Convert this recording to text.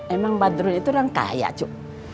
emang badrun itu orang kaya cukup